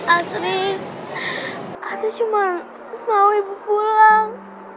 asli asri cuma mau ibu pulang